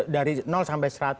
dari sampai seratus